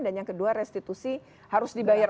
dan yang kedua restitusi harus dibayar